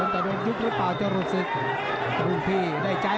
ท่านพี่ที่ได้ใจ